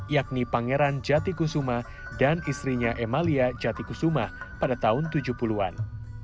yakni pangeran jatikusuma dan istrinya emalia jatikusumah pada tahun tujuh puluh an